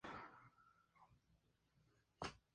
Tras varias maniobras entraron en la bahía.